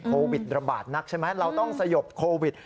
โควิดระบาดนักใช่ไหมเราต้องสยบโควิด